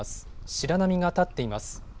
白波が立っています。